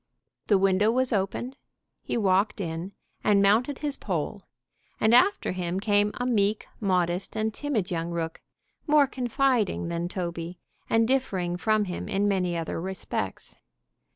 The window was opened, he walked in and mounted his pole, and after him came a meek, modest and timid young rook, more confiding than Toby, and differing from him in many other respects.